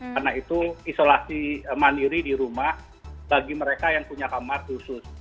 karena itu isolasi mandiri di rumah bagi mereka yang punya kamar khusus